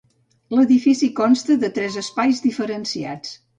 L'edifici consta de tres espais diferenciats.